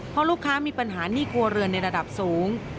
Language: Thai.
เพราะลูกค้ามีปัญหาหนี้ครัวเรือนในระดับสูง